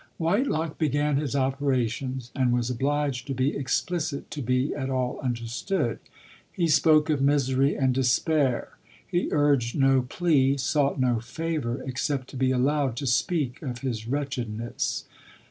Whitelock began his operations, and was obliged to be explicit to be at all understood. He spoke of misery and despair ; he urged no plea, sought no favour, except to be allowed to speak of his wretchedness.